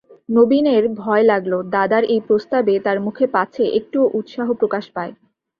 নবীনের ভয় লাগল, দাদার এই প্রস্তাবে তার মুখে পাছে একটুও উৎসাহ প্রকাশ পায়।